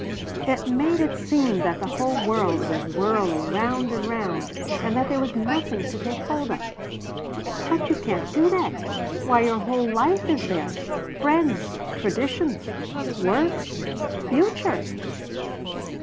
It made it seem that the whole world was whirling round and round and that there was nothing to take hold of. "But you can't do that. Why your whole life is there friends traditions work future."